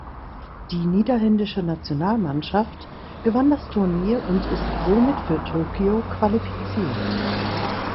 Die niederländische Nationalmannschaft gewann das Turnier und ist somit für Tokio qualifiziert.